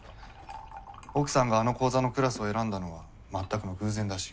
奥さんがあの講座のクラスを選んだのは全くの偶然だし。